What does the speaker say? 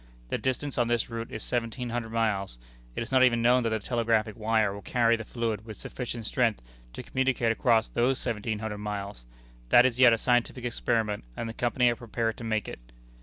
The distance on this route is seventeen hundred miles. It is not even known that the telegraphic wire will carry the fluid with sufficient strength to communicate across those seventeen hundred miles. That is yet a scientific experiment, and the Company are prepared to make it.